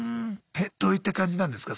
えどういった感じなんですか